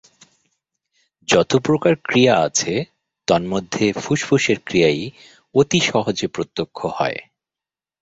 যত প্রকার ক্রিয়া আছে, তন্মধ্যে ফুসফুসের ক্রিয়াই অতি সহজে প্রত্যক্ষ হয়।